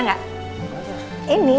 gak gitu sih